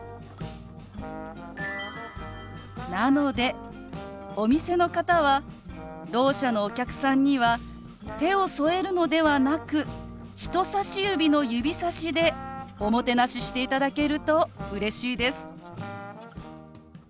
なのでお店の方はろう者のお客さんには手を添えるのではなく人さし指の指さしでおもてなししていただけるとうれしいです。